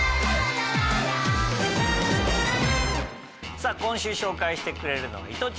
さぁ今週紹介してくれるのは伊藤ちゃんです。